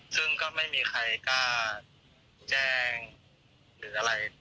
ซึ่งก็ไม่มีใครกล้าแจ้งหรืออะไร